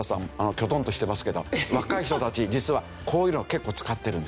きょとんとしてますけど若い人たち実はこういうの結構使ってるんです。